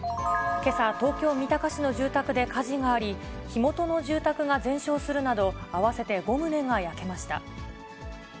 けさ、東京・三鷹市の住宅で火事があり、火元の住宅が全焼するなど、合わせて５棟が焼けました。